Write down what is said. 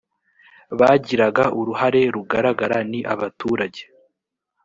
bagiraga uruhare rugaragara ni abaturage